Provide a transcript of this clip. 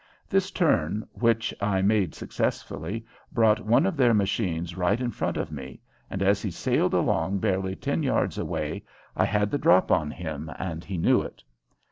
This turn, which I made successfully, brought one of their machines right in front of me, and as he sailed along barely ten yards away I had "the drop" on him, and he knew it.